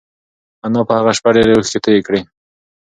انا په هغه شپه ډېرې اوښکې تویې کړې.